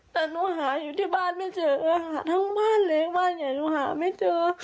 แต่หนูหาอยู่ที่บ้านไม่เจอค่ะทั้งบ้านเลยบ้านไหนหนูหาไม่เจอ